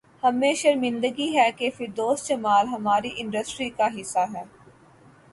ہمیں شرمندگی ہے کہ فردوس جمال ہماری انڈسٹری کا حصہ ہیں